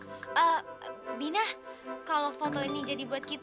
oh eh bina kalau foto ini jadi buat kita